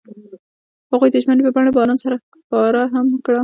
هغوی د ژمنې په بڼه باران سره ښکاره هم کړه.